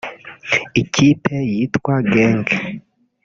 Ikipe yitwa Genk